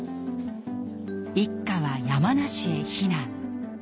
一家は山梨へ避難。